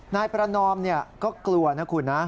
นายประนอมก็กลัวนะคุณนะ